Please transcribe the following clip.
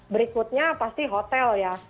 berikutnya pasti hotel ya